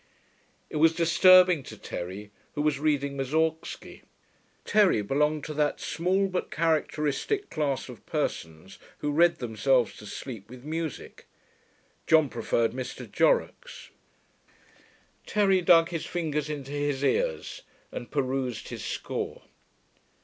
It was disturbing to Terry, who was reading Moussorgsky. (Terry belonged to that small but characteristic class of persons who read themselves to sleep with music. John preferred Mr. Jorrocks.) Terry dug his fingers into his ears, and perused his score.